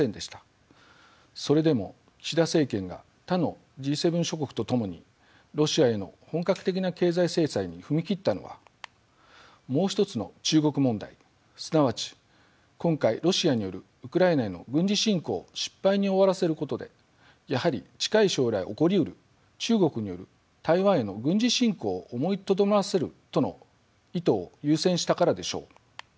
それでも岸田政権が他のＧ７諸国と共にロシアへの本格的な経済制裁に踏み切ったのはもう一つの中国問題すなわち今回ロシアによるウクライナへの軍事侵攻を失敗に終わらせることでやはり近い将来起こりうる中国による台湾への軍事侵攻を思いとどまらせるとの意図を優先したからでしょう。